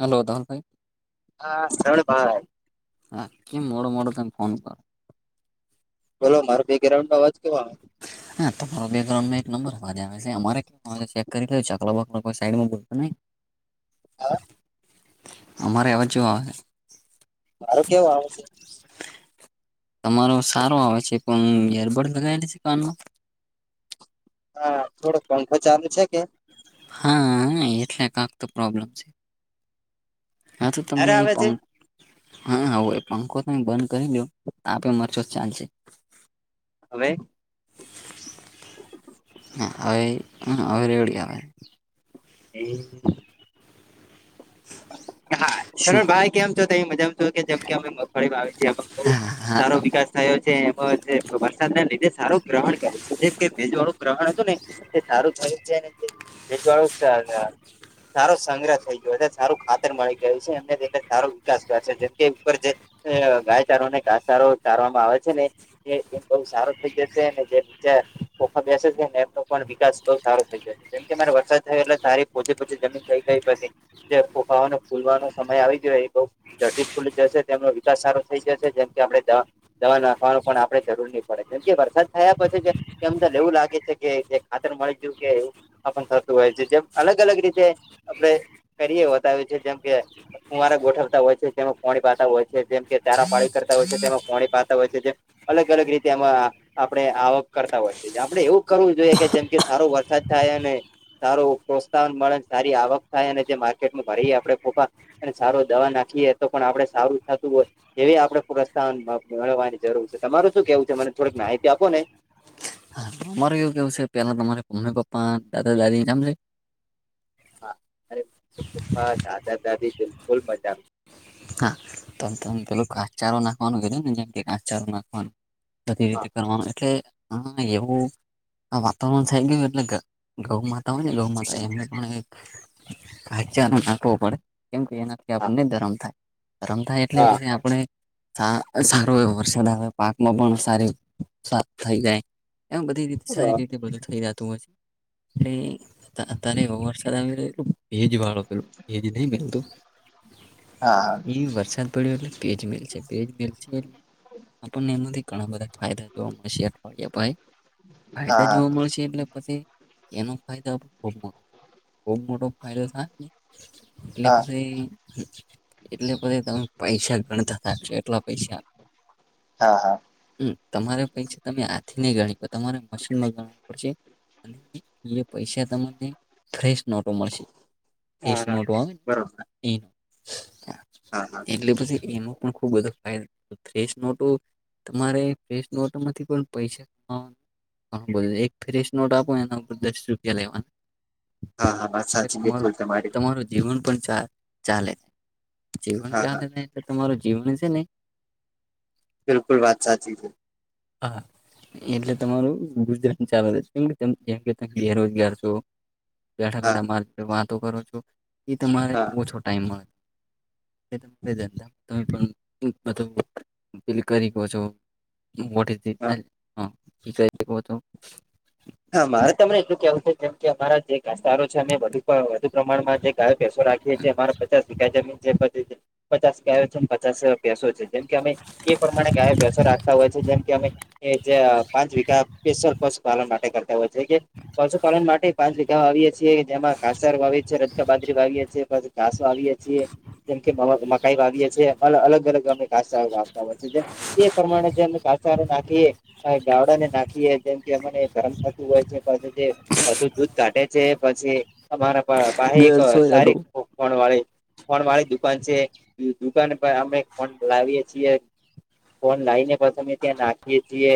Hello દહલ ભાઈ હા શરણભાઈ હ મોડ મડ તમે ફોન કર. બોલો મારો બે ગ્રાઉન્ડ અવાજ કેવા આવે. હા તમારો બેમે એક નંબર આવે છે અરે ચેક કરી દ. અમુક લોકો સાઈડમાં મૂકો નઈ. હા. અમારે અવાજ જો આવે. મારો કેવો આવે છે. તમારો સારો આવે છે પણ એયરબડ લગાવેલા છે કાનમાં? હા, થોડોક પંખો ચાલુ છેકે. હા, એટલે કક તો પ્રોબ્લેમ છે. હા, તો તમે ક્યારે એ આવે પં છે હા, હ એ પંખો તો બંધ કરી દઉ આપે મરચો ચાલશે. હવે. હ હવે રવડી આવે. એમ. હા. શું સરળ ભાઈ કેમ છો તે મજા છો કે જેમ કે અમે મગફળી વાવે છે બઉ સારો વિકાસ થયો છે એમાં વરસાદના લીધે સારો ગ્રહણ કરું છે જેમ કે ભેજ વાળું ગ્રહણ હતું ને. તે સારું થયું છે ભેજવાળું સારો સંગ્રહ થઈ ગયો સારું. ખાતર મળી ગય છે એમને એ સારો વિકાસ કર છે જેમ કે ઉપર જે ગાયચારોને ઘાસચારો ચારવામાં આવે છેને. એ એ બઉ સારો થઇ જશે અને જે નીચા ઓ બેસે છે ને એમનો પણ વિકાસ બઉ સારો થઇ જશે. જેમ કે મારે વરસાદ થયો એટલે સારી પોચી પોચી જમીન થઈ ગઈ પછી. જે ફોફાઓને ફૂલવાનો સમય આવી ગેયલો. જટી ખુલી જશે તેમનો વિકાસ સારો થઈ જશે જેમ કે આપણે દ દવા નાખવાનું પણ આપણે જરૂરની પડે કેમ કે વરસાદ થયા પછી જે એમ તને એવું લાગે છે કે જે ખાતર મળી ગયું કે એવું. થતું હોય છે જેમ અલગ અલગ રીતે આપડે કરીએ બતાવે છે જેમ કે કુંવારેક ગોઠવતા હોય છે તેમાં પાણી પાતા હોય છે જેમ કે તારા પાડી કરતા હોય છે તેમાં પાણી પાતા હોય છે જેમ અલગ અલગ રીતે એમાં. આપડે આવક કરતા હોય છે આપડે એવું કરવું જોઈએ કે જેમ કે સારો વરસાદ થાય અને સારું પ્રોત્સાહન મળે સારી આવક થાય અને જે માર્કેટમાં ભરીએ આપડે ફપા અને સારો દવા નાખીએ તો પણ આપડે સારું થાતું હોય. એવી આપણે પ્રોત્સાહન મેળવવાની જરૂર છે તમારે શું કેવું છે મને થોડીક માહિતી આપો ને. તમારે એવું કેવું છે પેલા તમારે મમ્મી પપ્પા દાદ દાદી નામ છેે. હા, અરે મમ્મી પપ્પા દાદા દાદી બિલકુલ મજા કાચારો નાખવાનું ને જેમ કાચારો નાખવાનું. બઘી હા રીતે કરવાનું એટલે એવું વાતાવરણ થઈ ગયું એટલે ગ ગૌ માતા હોયને ગૌ માતા એમને પણ ધાસચારો નાખવો પડે. કેમ કે એનાથી આપણને ધરમ થાય ધરમ થાય એટલે હા પછી આપણે હા, સારો એવો વરસાદ આવે પાકમાં પણ સારી થઈ જાય. એમ બધી રીતે સારી હા રીતે બધું થઈ રહ્યા. એ તારે એવો વરસાદ આવી રહ્યો. ભેજ વાળો પેલો હા [unintelligible] ઈ વરસાદ [unintelligible] આપણને એમાંથી ઘણા બધા ફાયદા જોવા મળશે અઠવાડયે ભાઈ ફાયદા હા જોવા મળશે એટલે પછી એનો ફાયદો પણ ખુબ મોટો ખુબ મોટો ફાયદો થાય. એટલે હા પછી એટલે પછી ત પૈસા ગણતા થશે એટલા પૈસા. હા હા. હમ, તમારે પૈસા તમે હાથથી નઈ ગણી તમારે મશીનનો ગણવું પડશે. અને પૈસા તમને ફ્રેશ નોટો મળશે. એજ હા હા નોટો આવેને બરોબર હા [unintelligible] એટલે પછી એનો પણ ખુબ બધો ફાયદોસ ન તો તમારે ફેશ નોટ માંથી પણ પૈસા કમાવાનું હા બોલો એક ફ્રેશ નોટ આપો એના ઉપર દસ રૂપિયા લેવાનું હા હા વાત એટલે સાચી તમારું બિલકુલ તમારી તમારું જીવન પણ ચા ચાલે છે જીવન હા હા ચાલે છે તો તમારું જીવન છે ને બિલકુ વાત સાચી છે હા [unintelligible] [inaudible] એટલે તમારું ગુજરાત ચા કેમ જેમ કે તમે બેરોજગાર છો બેઠા હા ગાઠા મા વાતો કરો છો એ તમારે હા ઓછો ટાઈમ મળે તમે પણ બધુંલ કરી છો વટઇ તો [unintelligible] [inaudible] હા મારે તમને એટલું કેવું છે કેમ કે અમારા જે ઘસ્તારો છે અમેુ પ્રમાણમાં જે ગાયો પસો રાખીએ છીએ એમારે પચાસ ગાય જમીન છેી પચાસ ગાયો છે પચાસ પસો છે જેમ કે અમે એ પ્રમાણે કયાસો રાખતા હોય છે જેમ કે અમે એ જે પાંચ વઘા કેસર પશુપાલન માટે કરતા હોય છે કે પશુપાલન માટે પાંચ વિઘા આવીએ છીએ જેમાં કાસારો વાએ છએ રગ બાજરી વાએ છીએ કસો આવીીએ છીએ જેમકે મકાઈ વાવીીએ છીએ અલગ અલગ ગમે કાાસ વાતા હોય છે જે એ પ્રમાણે જે કાાસાર નાખીએ ગાવડા ને નાખીએ જેમ કે અમને ગરમ થતું હોય છે પછી જે વધુ દૂધ કાટે છે પછી અમારા પાસે એક ગર્લ્સ હોય હલો સારી ખોકણ વાે ફડ વાળી દુકાન છે દુકાન પર અમે ફડ લાવીએ છીએ ફોન લઈને પણ અમે ત્યાં નાખીએ છીએ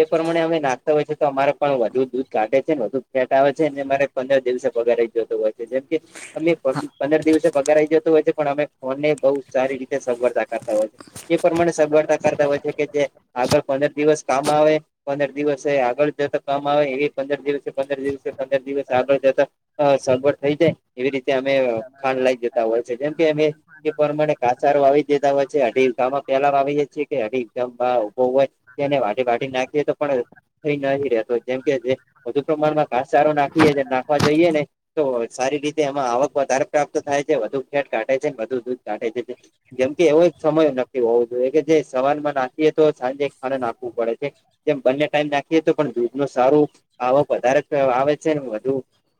એ પ્રમાણે અમે નાખતા હોય છે તો અમારે પણ વધુ દૂધ કાઢે છે ને વધુ ફેટ આવે છે અનેનેરે પંદર દિવસે પગાર જોતો હોય છે જેમ કે અમે હા પંદર દિવસે પગાર આવીઈ જતો હોય છે પણ અમે ફોનને બહુ સારી રીતે સગવડતાકારતા હોય છે એ પ્રમાણે સગળતા કરતા હોય છે કે જે આગળ પંદર દિવસ કામ આવે પંદર દિવસ આગળ જતા કામ આવે એ પંદર દિવસ પંદર દિવસે પંદર દિવસ આગળ જતા અ સગવટ થઈ જાય એવી રીતે અમે ખાંડ લઇ જતા હોય છે જેમ કે અમે એ પ્રમાણે કાચારું આવી દેતાા હોય છે અઢી ગામમાં પેલા આવીએે છીએ કે અઢી ગામ ઉભો હોય એને વાટી વાાટી નાખીએ તો પણ થઈ ન રતો જેમ કે જે વધુ પ્રમાણમાં ઘાસચારો નાખીએ નાખવા જઈએ ને તો સારી રીતે એમાં આવક વધારે પ્રાપ્ત થાય છે વધુ ખેટ કાઢે છેને વધુ દૂધ કાઢે છે જેમ કે એવો સમય નક્કી હોવો જોઈએ કે જે સવાલમાં નાખીએ તો સાંજે ખા નાખવું પડે છે જેમ બંને ટાઈમ નાખીએ તો પણ દૂધ ન સારું આવક વધારે આવે છે ને વધુ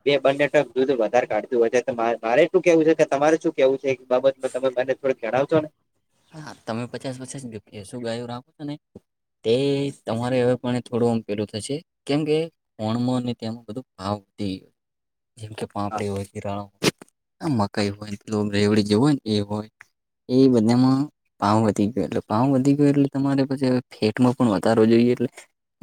બે બંને ટક દૂધ વધારે કાઢતું હોય છે તો મારે શું કેવું છે કે તમારે શું કેવું છે એક બાબતમાં તમે મને થોડ જડાવશો ને હા તમે પચાસ પચી શું ગાયું રાખો છો ને તે તમારે હવે પણ થોડું અમ પેલું થશે કેમ કે ફણ અને તેમાં બધું ભાવ વધી ગયો જેમ કે હા પાપડી હોયિરા આ મકાઈ હોય એ રેવડી જે હોય ને એ હોય એ બધામાં પાાવ વધી ગયો એટલે પાાવ વધી ગયો એટલે તમારે પછી ફેટમાં પણ વધારો જોઈએ એટલે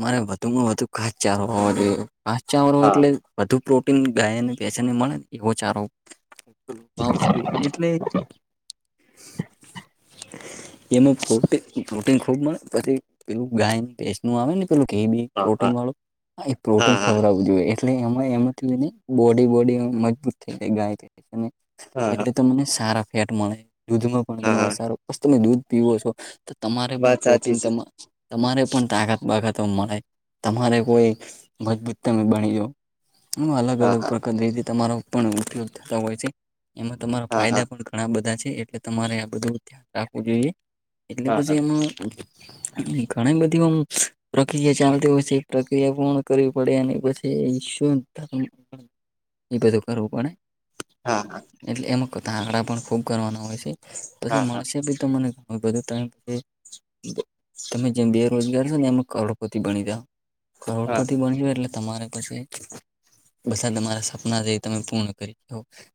મારે વધુમાં વધુ ખાાસ ચાલ જોઈએ પાાસ ચારો હા એટલે વધુ પ્રોટીન ગાયને બેચને મળે એવો ચારો એટલે એમાં પ્ર પ્રોટીન ખુબ મળે પછી એવું ગાય પેસ્ટ નું આવે ને કહી બી હા પ્રોટીન હા વાો હા પ્રોટીન ખબર જો એટલે એમાં એમાંથીને બોડી બોડી મજબૂત થઈ જાય ગાય હા એટલે તમને સારા ફેટ મળે દૂધમાં પણ હા હા તમારે સારું તમે દૂધ પીો છો તો તમારે પણ વાત સાચી પ્રોટીન છે તમારે પણ તાકાત બાખતો મળે તમારે કોઈ મજબૂત બણીો એમાં અલગ હા અલગ હા પ્રકાર રતે તમારો પણ ઉપયોગ થતા હોય છે એમાં તમારા હા ફાયદા પણ ઘણા બધા છે એટલે તમારે આ બધું ધ્યાન રાખવું જોઈએ એટલે હા હા પછી એમાં ઘણી બધીમ પ્રક્રિયા ચાલતી હોય છે પ્રક્રિયા પૂર્ણ કરવી પડે અને પછી શું ધમ એ બ દુકા રૂપણે હા હા એટલે એમાંતા આંકડા પણ ખૂબ કરવાના હોય છે તોછ હા હા મળશે ત બી તો મને બ તછ તમે જેમ બેરોજગાર છો ને એમાં કરોડપતિ બણી જા હા કરોડપતિ બન્યો એટલે તમારે પછી બધા તમારા સપના જે તમે પૂર્ણ કરી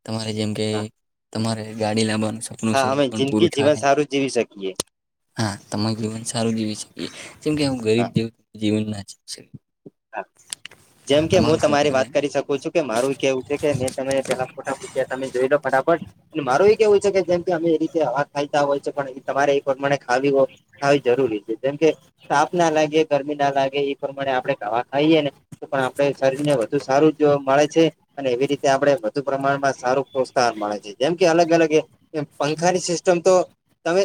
તમારે જેમ કે હા તમારે ગાડી લાવાનું સપનું હા છે અમે પણ જિંદગી પૂરું જીવન થાય સારું જીવી શકીએ હા તમારું જીવન સારું જીવી શકીએ જેમ કે હું ગરીબ હા જવ જીવન નાચીએ જેમ કે હું શું તમારી કેવું વાત છે કરી શકું છું મારું કેવું છે કે મેં તમે પેલા ફોટા મૂક તમે જોઈ લો ફટાફટ મારું એ કેવું છે કે જેમ કે અમે એ રીતે આ ખાઈતા હોય છે પણ એ તમારે એ પ્રમાણે ખાવી હોય ખાવ જરૂરી છે જેમ કે સાફ ના લાગે ગરમી ના લાગે એ પ્રમાણે આપણે ખાવા ખાઈએ ને પણ આપડે શરીર ને વધુ સારું જો મળે છે અને એવી રીતે આપડણે વધુ પ્રમાણમાં સારું પ્રોત્સાહન મળે છે જેમ કે અલગ અલગ એ એમ પંખા ની સિસ્ટમ તો તમે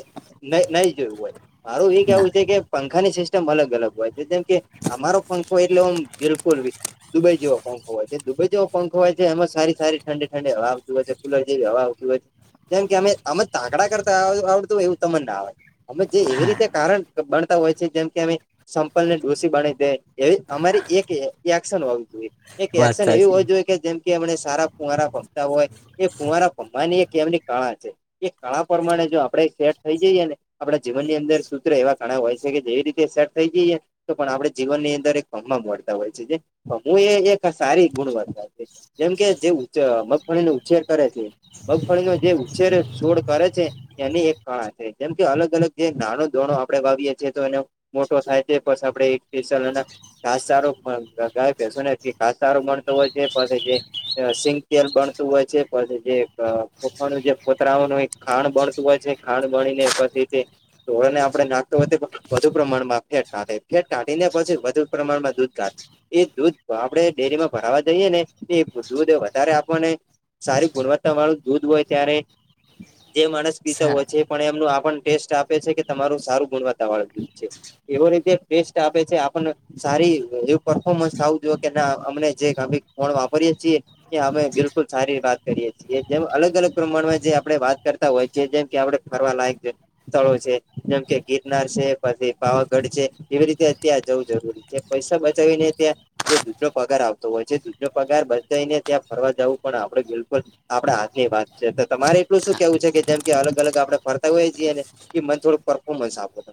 નહી જોયું હોય મારું એ ના કેવું છે કે પંખાની સિસ્ટમ અલગ અલગ હોય છે જેમ કે અમારો કો એટલે હું બિલકુલી દુબઈ જેવો પંખ હોય છે દુબઈ જેવો પંખ હોય છે એમાં સારી સારી ઠંે ઠંડે આવતીું હોય છે જેમ કે અમે અમ તાકડા કરતા આવડત હોય એવું તમને ના આવે અમે જે એવી રીતે કારણ બણતા હોય છે જેમ કે અમે સંપલને ડોસીી બણી દે એવી અમારી એક એક્શન હોવી જોઈએ એક વાત એક્શન એવી સાચી હોવી જોઈએ કે જેમ કે એમને સારા કુવારા ફમતા હોય એ કુવારા ફમવાની એક એમની કાળા છે એ કળા પ્રમાણે જો આપડે સેટ થઈ જઈએ ને આપણા જીવનની અંદર સૂત્ર એવા ઘણા હોય છે કે જેવી રીતે સેટ થઈ જઈએ તો પણ આપણે જીવનનીંદ ખમ મળતા હોય છે જેું એ એક સારી ગુણવત્તા છે જેમ કે જે મગફળીને ઉછેર કરે છે મગફળીનો જે ઉછેર છોડ કરે છે એની એક કળા છે જેમ કે અલગ અલગ જે નાનો દોણો આપડણે વાવીએ છીએ તો એનો મોટો થાય તેસ આપડે સ્પેશલ ખાસ સારું ગાય શુંને ખાસ સારું ગણતો હોય છે પણ સિંગ તેલ બનતું હોય છે પછી જેાનું જે ફતરાઓનું ખાંણ ભણતું હોય છે ખાંણ ભણીને પછી તોોળને આપણે નાખતો હો વધુ પ્રમાણમાં ફેટાટે ફેટ તાઢી ને પછી વધુ પ્રમાણમાં દૂધ ઘાટ એ દૂધ આપણે ડેરીમાં ભરાવા જઈએ ને એ દૂધ વધારે આપવાને સારી ગુણવત્તા વાળું દૂધ હોય ત્યારે જે માણસ પીતો હોય સારા છે પણ એમનું આ ટેસ્ટ આપે છે કે તમારું સારું ગુણવત્તા વાળ દ છે એવો રીતે ટેસ્ટ આપે છે આપણને સારી એવું પરફોર્મન્સ થું જો કે ના અમને જે કાી ફણ વાપરીયે છીએ એ અમે બિલકુલ સારી વાત કરીએ છીએ જેમ અલગ અલગ પ્રમાણમાં જે આપણે વાત કરતા હોય છ જેમ કે આપણે ફર લાયક છે સ્થળો છે જેમ કે ગિરનાર છે પછી પાવાગઢ છે એવી રીતે અત્યાં જવું જરૂરી છે જે પૈસા બચાવીને ત્યાં જે દૂધનો પગાર આવતો હોય છે દૂધનો પગાર બચાઈ ને ત્યાં ફરવા જવું પણ આપડે બિલકુલ આપડે હાથ ની વાત છે તો તમારે એટલું શું કેવું છે કે જેમ કે અલગ અલગ આપણે ફરતા હોય છીએ ને એ મને થોડું પરફોર્મન્સ આપો તો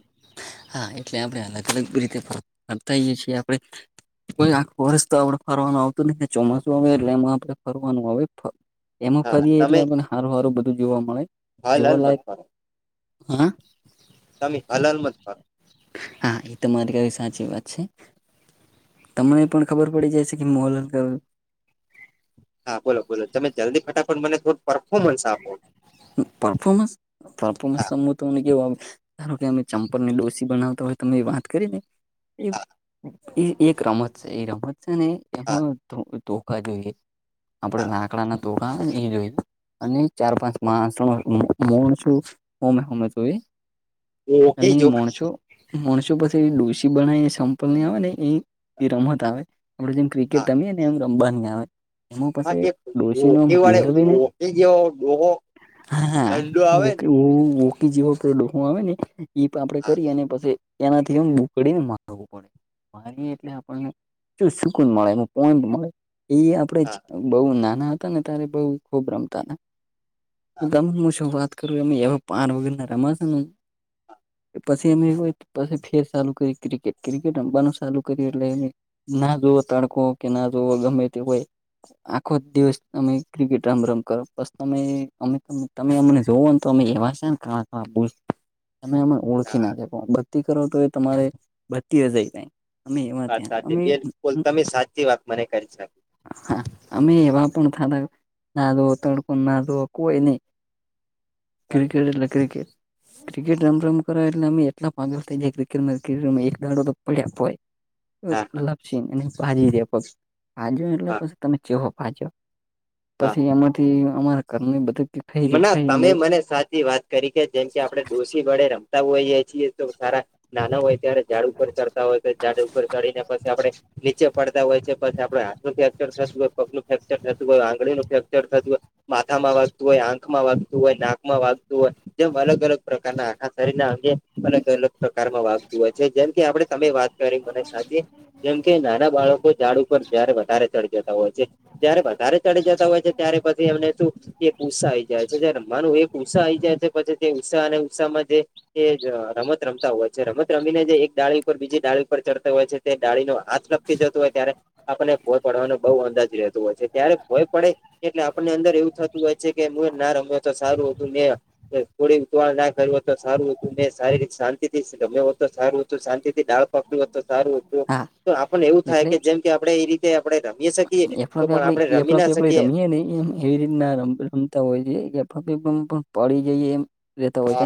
હા એટલે આપણે અલગ અલગ રીતે ફરતાઈએ છીએ આપણે કોઈ આખુ વર્ષ તો આપડે ફરવાનું આવતું નહિ ચોમાસું આવે એટલે એમાં આપણે ફરવાનું આવે એમાં હા ફરીએ તમે એટલેને સારું સારું બધું જોવા મળે હલ હલ મત જોવાલાયક કરો હા તમે હલાલ મત ખ હા એ તો મારી કઈ સાચી વાત છે તમને પણ ખબર પડી જાય છે કે મોલર કયો હા બોલો બોલો તમે જલ્દી ફટાફટ મને થોડું પરફોર્મન્સ આપો પરફોર્મન્સ પરફોર્મન્સ હા તોને [inaudible] કેવા ધારો કે અમે ચંપલ ને ડોસી બનાવતા હોય તમે વાત કરી ને હા એક રમત છે એ રમત છે ને હા એમાં ધોખા જોઈએ આપડે હા લાકડાના ધોકા આવે ને એ જોઈએ અને હા ચાર પાંચ માણસ ણ છું હમે હમે તોય ઓકે જો અનેણ છું [unintelligible] મોણસુ પાછી એ ડોસી બનાવીને સંપલને આવે ને એ રમત આવે આપડે જેમ ક્રિકેટ હા રમીએ ને એમ રમવાની આવે એમાં પાસે ડોશીનો આમ ગેળવીને [inaudible] એ હ દહો હા વકી જેવો કે ડું આવે ને એ પણ આપડે હા કરી અને પછી એનાથી એમ મોકડીને મારવું પડે મારીએ એટલે આપણને સુકુન મળે એ પોઈન્ટ મળે ઈ હા આપણેે બઉ નાના હતા ને ત્યારે બઉ ખૂબ રમતા હા [inaudible] શું વાત કરું એ પાર વગરના રમા પછી અમે પછી ફેર ચાલ કરી ક્રિકેટ ક્રિકેટ રમવાનું ચાલુ કર એટલે ના જોવો તડકો કે ના જોવો ગમે તે હોય આખો દિવસ તમે ક્રિકેટ રમ રમ કરો બસ તમે અમે તમે અમને જોવઓ [inaudible] ને તો અમે એવા છે ને ક ક બ તમેમ [inaudible] ઓળખી હા નાખે પણ ભક્તિ કરો તો એ તમારે ભક્તિ એ જઈ જાય અમે એવા વાત ત્યાં સાચી અમે બેન બોલ તમે સાચી વાત મને કરી છે હા અમે એવા પણ થતા [inaudible] નાધો તડકો ના દો કોઈ નહી હા ક્રિકેટ એટલે ક્રિકેટ ક્રિકેટ રમ રમ કર એટલે અમે એટલા પાગલ ક્રિકેટ એક [inaudible] ગાો આપ હોય હા હા લપસી અને ભાજી દે પગ ભાજ્યો એટલે હા પછી તમે ચહો ભાજ્યો પછી એમાંથી અમારા ઘરની બધું ખાઈ ગયો મને ખાઈને તમે એવું મને સાચી વાત કરી કે જેમ કે આપણે ડોસી વડે રમતા હોઈએ છીએ તો સારા નાના હોય ત્યારે ઝાડ ઉપર ચડતા હોય તો ઝાડ ઉપર ચડીને પછી આપણે નીચે પડતા હોય છે પછી આપણે હાથનું ફેક્ચર થતું હોય પગનું ફ્રેક્ચર થતું હોય આંગળીનું ફેક્ચર થતું હોય માથામાં વાગતું હોય આંખમાં વાગતું હોય નાકમાં વાગતું હોય જેમ અલગ અલગ પ્રકારના આખા શરીરના અંગે અલગ અલગ પ્રકારમાં વાગતું હોય છે, જેમ કે આપણે. તમે વાત કરી મને સાચી જેમ કે નાના બાળકો ઝાડ ઉપર જયારે વધારે ચડી જતા હોય છે. જયારે વધારે ચડી જતા હોય છે, ત્યારે પછી એમને શું. એક ઉસા આઈ જાય છે, જ રમવાનું એ ઉષા આઈ જાય છે, પછી તે ઉષા અને ઉષામાં જે. એ જ રમત રમતા હોય છે, રમત રમીને જે એક ડાળી ઉપર બીજી ડાળી ઉપર ચડતો હોય છે, તે ડાળીનો હાથ રક જતું હોય ત્યારે. આપને ભોય પડવાનો બહુ અંદાજ રહેતો હોય છે, ત્યારે ભોય પડે એટલે આપણને અંદર એવું થતું. હો છે, કે હું એ ના રમ્યો તો સારું હતું ને. થોડી ઉતવાળ ના કર્યું હો તો સારું હતું ને શારીરિક શાંતિથી ગમે હો તો સારું હતું શાંતિથી દાળ. [inaudible] સારું હોતું. હા તો આપને એવું થાય એટલે કે જેમ કે આપડણે એ રીતે આપણે રમી શકીએ તો પણ આપણે રમી ના શકીએ. ન એમ એવી રીતના રમતા હોય છે, [unintelligible] પડી જઈ એમ રેતા હોય અ છે.